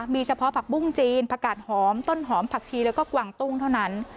มีเฉพาะผักบุ้งจีนผักกาดหอมต้นหอมผักชีแล้วก็กวางตุ้งเท่านั้น